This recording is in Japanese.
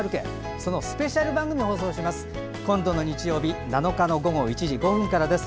そのスペシャル番組を放送します。